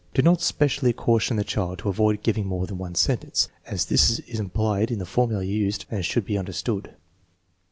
Do not specially caution the child to avoid giving more than one sentence, as this is implied in the formula used and should be understood.